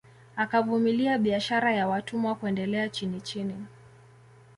Akavumilia biashara ya watumwa kuendelea chinichini